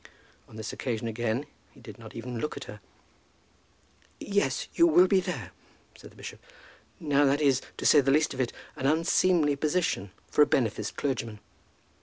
On this occasion again he did not even look at her. "Yes; you will be there," said the bishop. "Now that is, to say the least of it, an unseemly position for a beneficed clergyman."